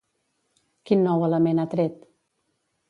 Quin nou element ha tret?